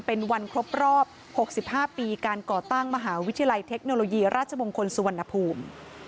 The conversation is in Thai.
เป็นวันครบรอบ๖๕ปีการก่อตั้งมหาวิทยาลัยเทคโนโลยีราชมงคลสุวรรณภูมิ